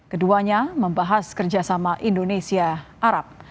keduanya membahas kerjasama indonesia arab